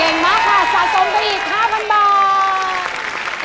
มากค่ะสะสมไปอีก๕๐๐๐บาท